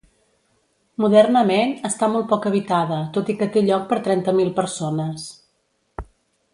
Modernament està molt poc habitada tot i que té lloc per trenta mil persones.